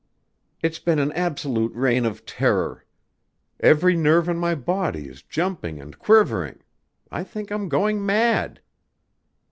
"It's been an absolute reign of terror. Every nerve in my body is jumping and quivering.... I think I'm going mad."